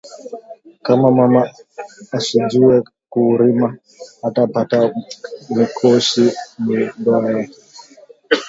Kama mama ashi juwe ku rima ata pata mikoshi mu ndoa yake